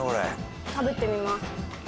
食べてみます。